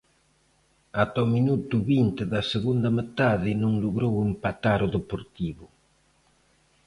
Ata o minuto vinte da segunda metade non logrou empatar o Deportivo.